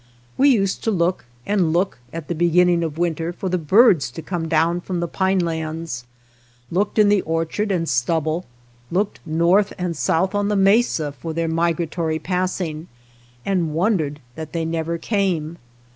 We used to look and look at the beginning of winter for the birds to come down from the pine lands ; looked in the orchard and stubble ; 197 THE STREETS OF THE MOUNTAINS looked north and south on the mesa for their migratory passing, and wondered that they never came.